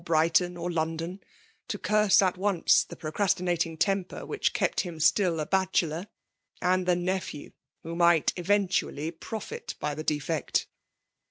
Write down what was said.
Brighton^ or London, to curse at onoe the procrastinating temper which kept him still a bachelor, and the nephew who might even* tually profit by the defect."